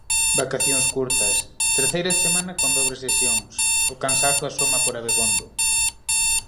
Vacacións curtas, terceira semana con dobres sesións..., o cansazo asoma por Abegondo.